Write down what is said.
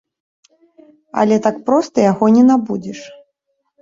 Але так проста яго не набудзеш.